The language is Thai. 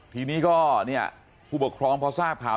ทีนี้ก็เนี่ยผู้ปกครองพอทราบข่าว